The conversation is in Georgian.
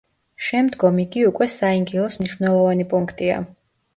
შემდგომ იგი უკვე საინგილოს მნიშვნელოვანი პუნქტია.